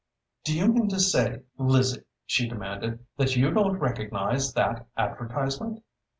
"Do you mean to say, Lizzie," she demanded, "that you don't recognize that advertisement?"